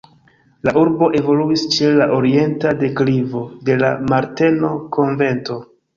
La urbo evoluis ĉe la orienta deklivo de la Marteno-konvento.